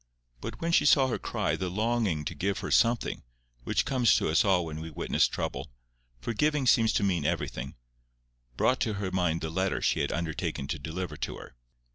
But when she saw her cry, the longing to give her something, which comes to us all when we witness trouble—for giving seems to mean everything—brought to her mind the letter she had undertaken to deliver to her.